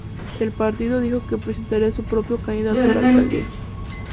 El partido dijo que presentarían su propio candidato a la alcaldía.